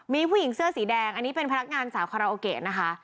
มีผู้หญิงเสื้อสีแดงอันนี้เป็นพนักงานสาวคาราโอเกะนะคะ